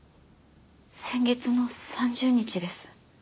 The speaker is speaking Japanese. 先月の３０日です。